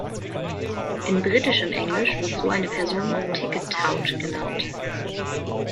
In britischem Englisch wird so eine Person „ticket tout“ genannt.